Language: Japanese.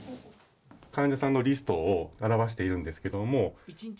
患者さんのリストを表しているんですけれども。